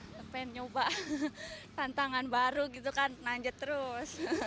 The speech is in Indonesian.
pengen nyoba tantangan baru gitu kan menanjak terus